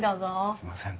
すいません。